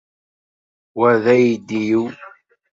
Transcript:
Wa d aydi-iw.